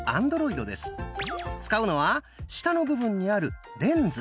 使うのは下の部分にある「レンズ」。